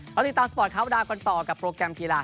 เราติดตามสปอร์ตคาวดาวกันต่อกับโปรแกรมกีฬา